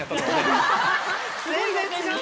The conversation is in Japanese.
全然違う。